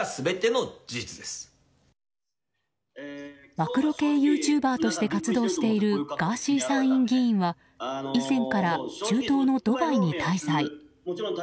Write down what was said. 暴露系ユーチューバーとして活動しているガーシー参議院議員は以前から中東のドバイに滞在。